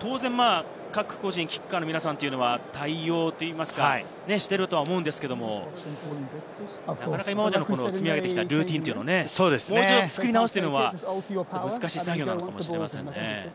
当然、キッカーの皆さんは対応といいますか、していると思うんですけれど、なかなか今まで積み上げきてきたルーティンを作り直すというのは難しい作業なのかもしれません。